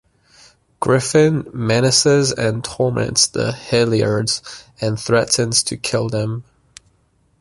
Griffin menaces and torments the Hilliards and threatens to kill them.